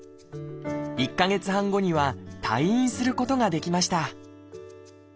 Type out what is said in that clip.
１か月半後には退院することができました。